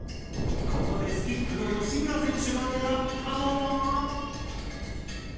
ここでスキップの吉村選手が狙ったのは？